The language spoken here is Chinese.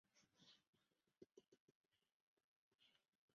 并且依托城市开展配套改革。